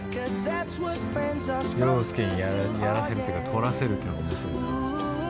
涼介にやらせるっていうか撮らせるっていうのが面白いな。